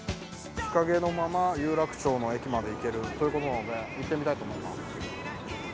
日陰のまま有楽町の駅まで行けるということなので行ってみたいと思います。